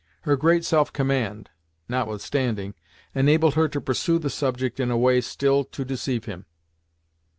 Her great self command, notwithstanding, enabled her to pursue the subject in a way still to deceive him.